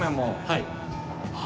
はい。